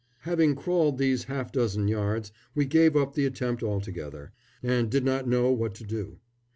] Having crawled these half dozen yards, we gave up the attempt altogether, and did not know what to do.